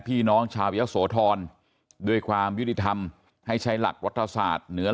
พี่น้องชาวยะโสธรด้วยความยุติธรรมให้ใช้หลักรัฐศาสตร์เหนือ